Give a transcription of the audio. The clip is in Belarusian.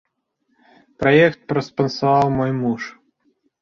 Праект праспансаваў мой муж.